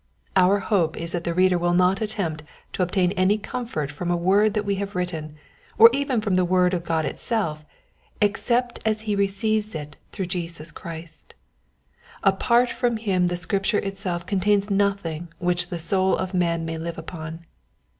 Our hope is that the reader will not attempt to obtain any comfort from a word that we have written, or even from the Word of God itself, except as he receives it through Jesus Christ. Apart from him the Scripture itself contains nothing which the soul of man may live upon.